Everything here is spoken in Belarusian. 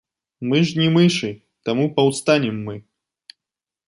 Мы ж не мышы, таму паўстанем мы.